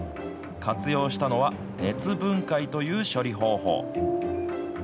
活用したのは、熱分解という処理方法。